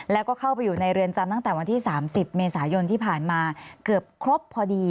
แล้วก็เข้าไปอยู่ในเรือนจำตั้งแต่วันที่๓๐เมษายนที่ผ่านมาเกือบครบพอดี